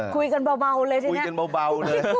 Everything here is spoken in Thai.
คุยกันเบาเลยทีเนี่ย